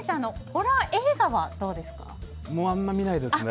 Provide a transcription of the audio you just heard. ホラー映画はどうですか？